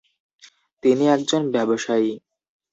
তিনি একজন ব্যবসায়ী।